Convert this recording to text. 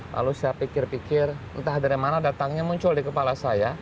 lalu saya pikir pikir entah dari mana datangnya muncul di kepala saya